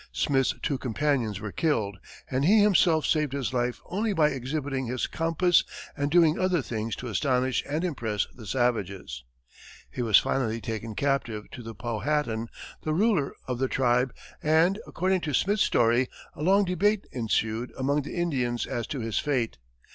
Smith's two companions were killed, and he himself saved his life only by exhibiting his compass and doing other things to astonish and impress the savages. He was finally taken captive to the Powhatan, the ruler of the tribe, and, according to Smith's story, a long debate ensued among the Indians as to his fate.